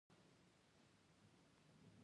کابل د افغانستان د خلکو د ژوند کیفیت تاثیر کوي.